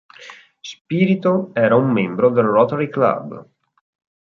Spirito era un membro del Rotary club.